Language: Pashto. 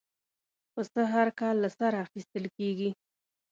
پسه هر کال له سره اخېستل کېږي.